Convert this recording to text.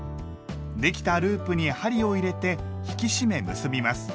できたループに針を入れて引き締め結びます。